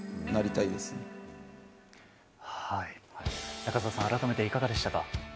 中澤さん、改めていかがでしたか？